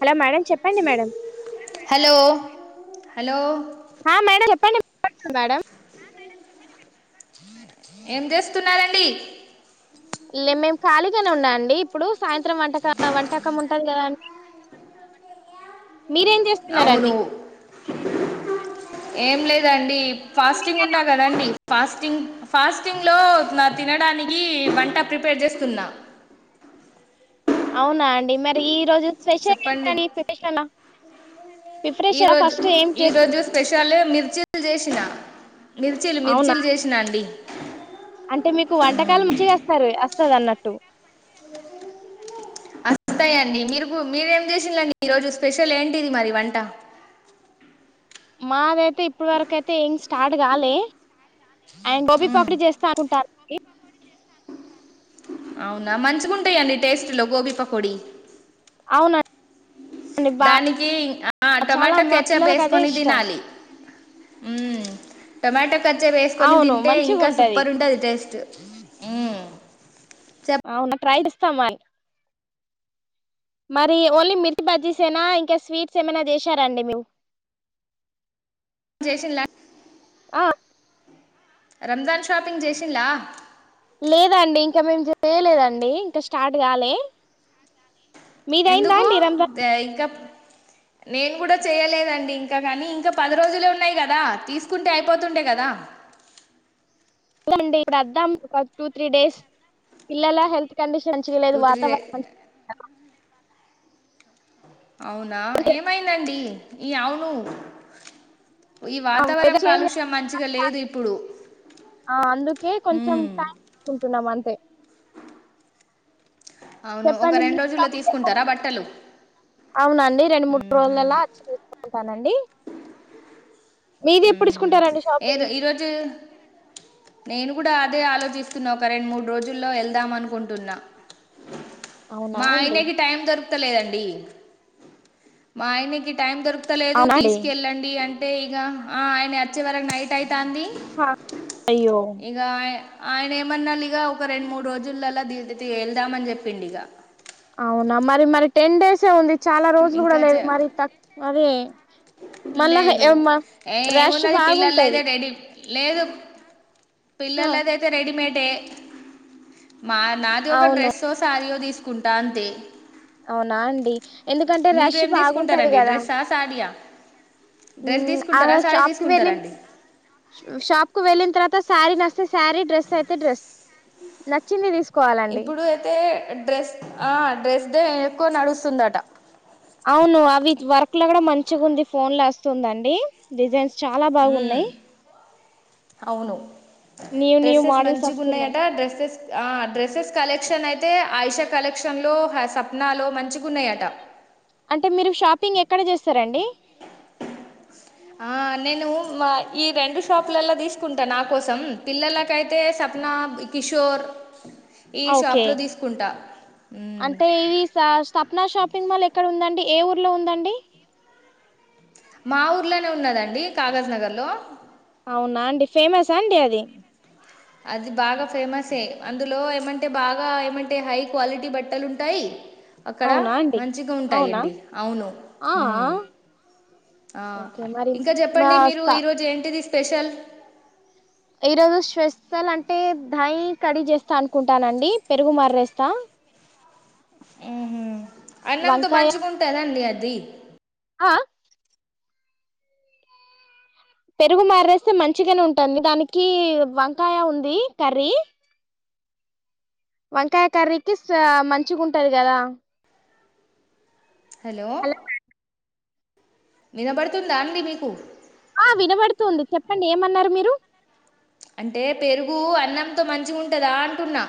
Hello madam చెప్పండి madam hello hello ఆ madam చెప్పండి మేడం ఏం చేస్తున్నారండి ఇళ్లే మే ఖాళీగానే ఉన్నాఅండి ఇప్పుడు సాయంత్రం వంటక వంటకం ఉంటుంది కదా అండి మీరేం అవును చేస్తున్నారండి ఏం లేదండి ఫాస్టింగ్ ఉన్నా కదండి ఫాస్టింగ్ ఫాస్టింగ్లో నా తినడానికి వంట ప్రిపేర్ చేస్తున్నా అవునా అండి మరి ఈ రోజు స్పెషల్ చెప్పండి ఏంటని ప్రిపరేషనా ప్రిఫరేష ఈరోజు ఫస్ట్ ఏం ఈరోజు చేస్తున్నా స్పెషల్ మిర్చీలు చేసిన మిర్చీలు మిర్చీలు చేసినా అండి అంటే మీకు వంటకాలు మంచిగా వస్తారు వస్తది అన్నట్టు ఉంటాయండి మీరుకు మీరేం చేసిండ్రు అండి ఈరోజు స్పెషల్ ఏంటిది మరి వంట మాదే ఇప్పుడు వరక అయితే ఏం స్టార్ట్ కాలే అండ్ గోబీ మ్మ్. పాపిడి చేస్తా అనుకుంటా అండి అవునా మంచిగుంటాయా టేస్ట్లో గోబీపకోడి అవునండి బా దానికి చాలా టొమాటో మా కెట్చుప్ పిల్లలకి అదే వేసుకొని ఇష్టం తినాలి ఉమ్ టొమాటో కెట్చప్ వేసుకని అవును తింటే మంచిగా ఇంకా ఉంటది సూపర్ ఉంటాది టేస్ట్ హమ్ అవునా ట్రై చేస్తాంని మరి ఓన్లీ మిర్చి బజ్జీస్ ఏనా ఇంకా స్వీట్స్ ఏమైనా చేసారాండి మీవు జేసిన్ల రంజాన్ షాపింగ్ చేసింలా లేదండి ఇంకా మేము చేయలేదండి ఇంక స్టార్ట్ కాలే మీదయిందా ఎందుకు అండి రంజాన్ ద ఇంకా నేను కూడా చేయలేదండి ఇంకా కానీ ఇంకా పది రోజులే ఉన్నాయి కదా తీసుకుంటే అయిపోతుండే కద చండి ఇప్పుడు వద్దాం ఒక టూ త్రీ డేస్ పిల్లల హెల్త్ కండిషన్ టూ మంచిగాలేదు త్రీ డే వాతావరణం మంచి అవునా మంచి ఏమైందండి ఈ అవును ఈ వాతావరం కాలుష్యం మంచిగా లేదు ఇప్పుడు అందుకే కొంచెం మ్మ్ టైం తీసుకుంటున్నాం అంతే అవును ఒక చెప్పండి మీ రెండు రోజుల్లో తీసుకుంటారా బట్టలు అవునండి రెండు మూడు మ్మ్హ్మ్ రోజులలాచ్చ వుంటానండి హమ్ హమ్ ఏద షాపింగ్ ఈరోజు నేను కూడా అదే ఆలోచిస్తున్నా రెండు మూడు రోజుల్లో వెళ్దాం అనుకుంటున్నా అవునా అండి మాయనేకి టైమ్ దరు లేదండి మా ఆయనాకి టైం దొర్ కొత్తలేదు అవునా అండి తీసుకెళ్ళండి అంటే ఇగ ఆయన వచ్చే వరకు నైట్ అయితే తాంది అయ్యో ఇగా ఆయన ఏమన్నా ఇగ ఒక రెండు మూడు రోజులల దీ వెళ్దామని చెప్పిండు ఇగ అవునా మరి మరి టెన్ డేస్ ఉంది చాలా రోజులు ఇంకా కూడా లేదు చె- మరి ఇట్ల మరి మళ్ళా లేదు ఏ రష్ ఏమున్నది పిల్లలు అయితే బాగుంటది రెడీ లేదు ఆ పిల్లల అద అతే రెడి మేడ్ తే మా నాది ఒక అవును డ్రెస్ ఓ సారి యో తీసుకు కుంటాంతే అవునా అండి ఎందుకంటే మీరు రష్ ఏం బాగుంటది తీసుకుంటారండి కదా డ్రెస్సా సాడియా ఆ షాప్ కు వెేళ తీసుకుంటారండి షాప్ కు వెేలి త శారీ నచ్చస్తే శారీ డ్రెస్ అయితే డ్రస్ నచ్చింది తీసుకు ఇప్పుడు అయితే డ్రెస్ ఆహ్ డ్రెస్ దే ఎక్కువ నడుస్తుందట. అవును అవి వర్క్ లో కూడా మంచిగా ఉంది. ఫోన్ లో వస్తుందండి డిజైన్స్. చాలా మ్మ్ బాగున్నాయి. అవును. న్యూ న్యూ డ్రెస్సెస్ మోడల్స్ మంచిగా వస్తున్నాయి ఉన్నాయట డ్రెస్సెస్. ఆహ్ డ్రెస్సెస్ కలెక్షన్ అయితే ఆయిషా కలెక్షన్లో సప్నాలో మంచిగా ఉన్నాయట. అంటే మీరు షాపింగ్ ఎక్కడ చేస్తారండి. ఆహ్ నేను మా ఈ రెండు షాపులలా తీసుకుంటాను నా కోసం పిల్లలకైతే సప్నా కిషోర్. ఈ ఆహ్ ఓకే షాప్లో తీసుకుంటా మ్మ్. అంటే ఇది సప్నా షాపింగ్ మాల్ ఎక్కడ ఉందండి. ఏ ఊర్లో ఉందండి. మా ఊర్లోనే ఉన్నదండి కాగజ్ నగర్లో. అవునా అండి ఫేమస్ సండే అది. అది బాగా ఫేమసే అందులో ఏమంటే బాగా ఏమంటే హై క్వాలిటీ బట్టలు ఉంటాయి. అక్కడ అవునా అండి మంచిగా ఉంటాయి అవునా అండి అవును ఆ ఆ ఉమ్ ఆహ్ ఓకే మరి ఇంకా మా చెప్పండి మీరు స ఈ రోజు ఏంటిది. స్పెషల్ ఈ రోజు స్పెషల్ అంటే దాయి కడి చేస్తా అనుకుంటానండి పెరుగు మరేస్తా. ఉహూ అన్నంతో మంచుగుంటాదండి అది. అది ఆహ్ పెరుగు మారేస్తే మంచిగానే ఉంటుంది దానికి వంకాయ ఉంది కర్రీ. వంకాయ కర్రీకి మంచిగా ఉంటది కదా. హలో అలా వినబడుతుందా అండి మీకు. ఆహ్ వినబడుతుంది చెప్పండి ఏమన్నారు మీరు. అంటే పెరుగు అన్నంతో మంచిగుంటదా అంటున్నా.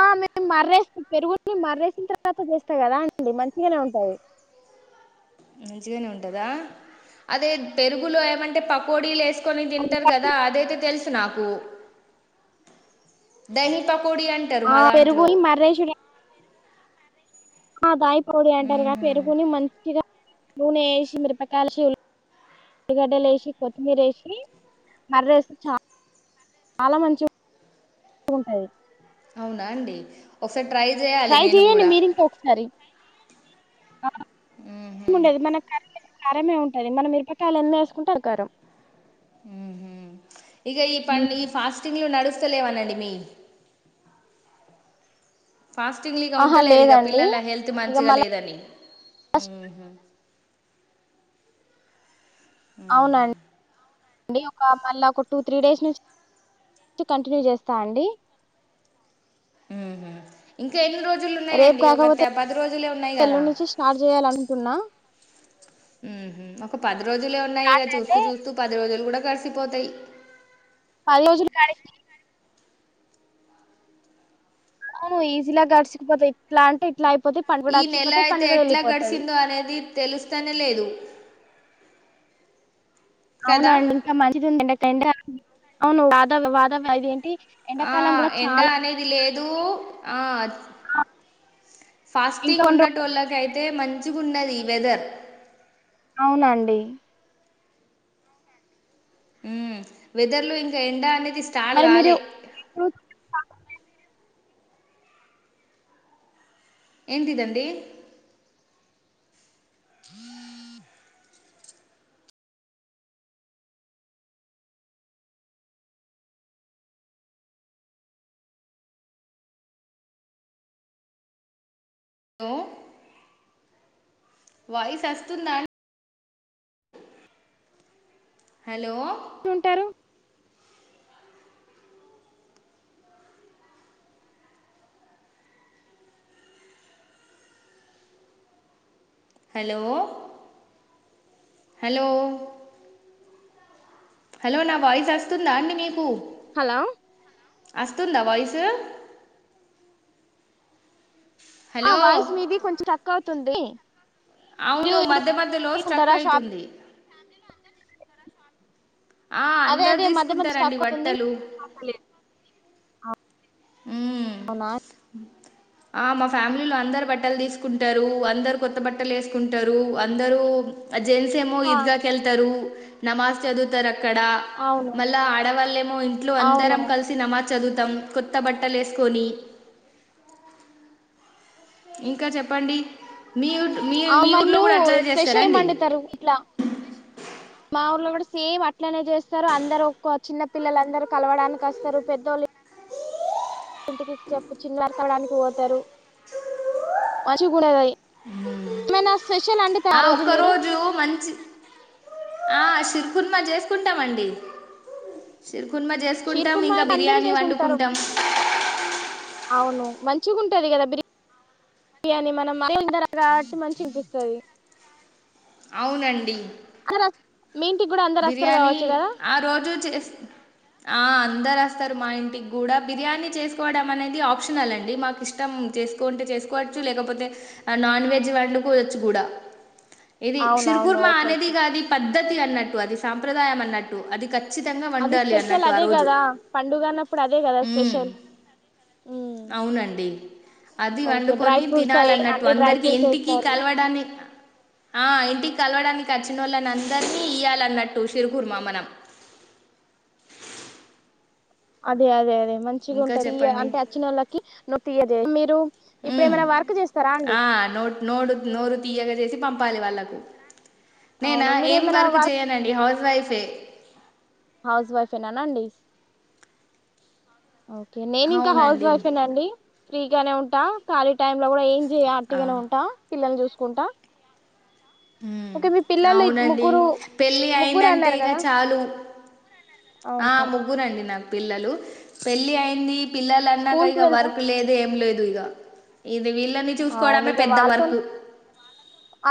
ఆహ్ మేము మర్రేస్త పెరుగుని మర్రేసిన తర్వాత చేస్తా కదా అండి మంచిగానే ఉంటది. మంచిగానే ఉంటదా అదే పెరుగులో ఏమంటే పకోడీలు వేస్ కొని తింటారు కదా అదైతే తెలుసు. నాకు డైని ప్ ఆహ్ పెరుగును మర్రేసుడు. అదాయి కోడి అంటారు గానీ ఊహు పేరుగుని మంచిగా. నూనె యేసి మిరపకాయలేసి ఉల్లిగడ్డలు యేసి కొత్తిమీర యేసి మర్ర వేస్తే చ చాలా మంచిగ ఉంటది. అవునా అండి. ఒకసారి ట్రై చేయాలి ట్రై నేను చెయండి కూడా మీరింట్లో ఒకసారి. ఊహు ఉండది మన క కరమే ఉంటుది మనం ఇరపకాయలు ఎన్ని వేసుకుంటే ఆ కరం మ్ మ్ ఇగా ఈ పం ఈ ఫాస్టింగ్ లో నడు అస్సలేవనండి మీ ఫాస్టింగ్ ఇక ఆహా ఉండలేరు ఇక లేదండి పిల్లల హెల్త్ ఇక మంచిగా మళ్ళా లేదని మ్ హు అ ఒక మళ్ళీ ఒక టూ త్రీ డేస్ నుంచి కంటిన్యూ చేస్తా అండి ఇంకా ఎన్ని రోజు రేపు కాకపోతే ఎల్లు కదా నుంచి స్టార్ట్ చేయాలనుకున్నా ఒక పది రోజులే ఉన్నాయి ఇక స్టార్ట్ చూస్తూ అయితే చూస్తూ పది రోజులు కూడా కలిసిపోతాయి పళ అజు కాడ ఆవును ఈజీలాగా గడ్స్క్ పోతయి ఇట్ల అంటే ఇట్ల ఈ నెల అయితే ఎట్లా గడిచిందో అనేది తెలుస్తేనే లేదు కదా అవునండి ఇంకా మంచిది ఉ ఎంక అవును వాద వాదవ్య ఇదేంటి ఆ ఎండ అనేది లేదు ఆ ఇంకా ఫాస్టింగ్ కొన్ని ఉన్నట్ రోజులు వాళ్ళకయితే మంచి గున్నది వెదర్ అవునండి ఉ వెదర్లు ఇంకా ఎండ అనేది స్టాల్ మరి మీరు గాలే ఎంటితండి హలో వాయిస్ వస్తుందా హలో చంటారు హలో హలో హలో నా వాయిస్ వస్తుందా అండి మీకు హలో అస్తుందా వయిసు ఆ వాయిస్ మీది కొంచెం తక్కు అవుతుంది మీరు అవును ఇప్పుడు మధ్య మధ్యలో స్ట్రక్ ఉంటారా షాప్ అయితుంది ఆ అదే అందరు అదే మధ్య మధ్య తీసుకుంటారండి స్ట్రక్ అవుతుంది బట్టలు మ్మ్ అవునా ఆ మా ఫ్యామిలీలు అందరు బట్టలు తీసుకుంటారు అందరు కొత్త బట్టలు వేసుకుంటారు అందరూ ఆ జెంట్స్ ఏమో ఆ ఇద్గాకెళ్తారు నమాజ చదువుతరక్ అక్కడ అవును మళ్ళా ఆడవాళ్ళేమో ఇంట్లో అవును అందరం కలిసి నమాజ్ చదువుతాం కొత్త బట్టలు వసుకొని ఇంకా చెప్పండి మీ ఊ- మీ ఆ మీ మ ఊర్లో మీరు కూడా అట్లనే స్వెష ఏ చేస్తారండి మండుతారు ఇట్లా మా ఊర్ళ కూడా సేమ్ అట్లనే చేస్తారు అందరు ఒ చిన్న పిల్లలందరుూ కలవడానికి వస్తారు పెద్దోళ్ళు ఇంటికి చెప్పు చిన్న వర కావడానికి పోతారు మంచి కూడా ఏమైనా స్పెషల్ వండుతా ఆ ఒక్క మీరు రోజు మంచి ఆ శిర్ కుర్మా చేసుకుంటామండి చిరుకునుమ చేసుకుంటాం షీర్కుర్మా ఇంకా అయితే అందరు బిర్యానీ చేసుకుంటారు వండుకుంటాం మచ్చుకుంటుంది కదా బిర్ బిర్యానీ మనం ధర కాబట్టి మంచి వినిపిస్తుంది అవునండి మీ ఇంటికి కూడా అందరు వస్తారు బిర్యానీ కావచ్చు కదా ఆ రోజు చే అందరు వస్తారు మా ఇంటికి కూడా బిర్యానీ చేసుకోవడం అనేది ఆప్షనల్ అండి మాకు ఇష్టం చేసుకుంటే చేసుకోవచ్చు లేకపోతే నాన్ వెజ్ వండుకోవచ్చు కూడా ఇది అవునవును సిరుకుర్మ ఓకే ఓకే అనేదిగాది పద్ద పద్దతి అన్నట్టు అది సాంప్రదాయం అన్నట్టు అది ఖచ్చ అది స్పెషల్ అదే కదా పండుగ అన్నప్పుడు అదే కదా మ్మ్. స్పెషల్ అవునండి అది ఓకే డ్రై వండుకొని ఫ్రూట్స్ తినాలి అన్నట్టు అన్ని డ్రై అందరికి ఫ్రూట్స్ ఇంటికి వేస్తారు కలవడాన్ని ఆ ఇంటికి కలవడానికి వచ్చిన వాళ్ళని అందరినీ ఇయ్యాలని నటుషిర్ కుర్మా మనం అదే అదే అదే మంచిగా ఇంకా ఉంటది తీయ్య చెప్పండి అంటే వచ్చినోళ్ళకి నువ్వు తీయేయ మీరు ఇప్పుడ ఉమ్ ఏమైనా వర్క్ చేస్తారా అండి ఆ పాలి వాళ్ళకు నేనా అవును మీరు ఏం ఏమైనా వర్క్ చేయనండి హౌస్ వైఫే హౌస్ వైఫ్ ఎ నర్నాడిీస్ ఓకే నేను ఇంకా హౌస్ అవునండి వైఫేనాండి ఫ్రీగానే ఉంటా ఖాళీ టైమ్ లో కూడా ఏం జ ఆ అట్కగానే ఉంటా పిల్లని చూస్త చూసుకుంటా ఓకే మీ పిల్లలు ఇద్- అవునండి ముగ్గురు పెళ్ళి ముగ్గురు అయిందంటే అన్నారు ఇక కదా చాలు ఆ అవును ముగ్గురండి నాకు పిల్లలు పెళ్లిి అయిన్ని పిల్లలు అన్నాక స్కూల్ కి ఇక వెళ్తా వర్క్ లేదు ఏం లేదు ఇగా ఇది విల్ అవును ఇక వాళ్ళతో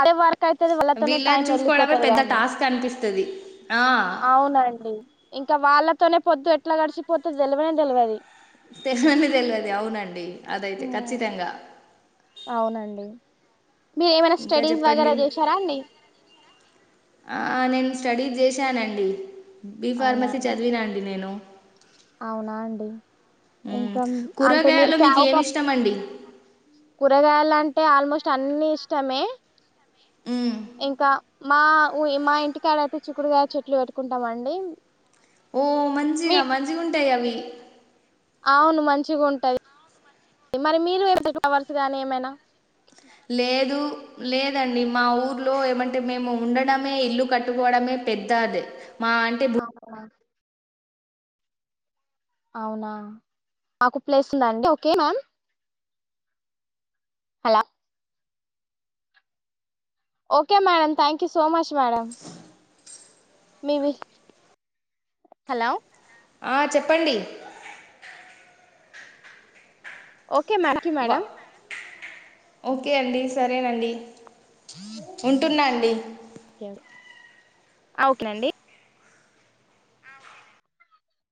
అదే వర్క్ అయితది వాళ్ళతోనే టైం వీళ్ళని చూసుకోవడమే వెళ్ళిపోతుంది గా పెద్ద అండి టాస్క్ అనిపిస్తది ఆ అవునండి ఇంకా వాళ్ళ తోనే పొద్దు ఎట్లా గడిసిపోతది తెలవనే తెలివది తెల్వానే తెల్వదు అవునండి అదైతే ఖచ్చితంగా అవునండి మీరు ఏమైనా ఇంకా స్టడీస్ వగేర చెప్పండి చేసారా అండి ఆ! నేను స్టడీ చేశానండి బి అవునా ఫార్మసీ అండి చదివినండి నేను అవునా అండి ఉహ్ ఇంకా మ్ అంటే మీరు కూరగాయలో ఫ్యా మీకు ఒక ఏం ఇష్టం అండి కూరగాయలు అంటే ఆల్మోస్ట్ అన్ని ఇష్టమే హ్మ్. ఇంకా మా ఊ మా ఇంటికాడ అయితే చిక్కుడుకాయ చెట్లు పెట్టుకుంటామండి ఓ మీ మంచిగా మంచిగుంటయి అవ్వి అవును మంచిగా ఉంటది మరి మీరు ఏ ఫ్లవర్స్ గాని ఏమైనా లేదు లేదండి మా ఊర్లో ఏమం అంటే మేము ఉండడమే ఇల్లు కట్టుకోవడమే పెద్దఅది ఆహా అవునా మాకు ప్లేసు ఉందండీ okay ma'am hello okay madam thank so much madam మీ వి హలో ఆ చెప్పండి ఓకే మ్యాడమ్ థ్యాంక్యూ వ మ్యాడమ్ ఓకే అండి. సరేనండి ఉంటున్నా అండి ఓకే ఆ ఓకేనండి